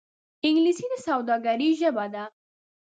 انګلیسي د سوداگرۍ ژبه ده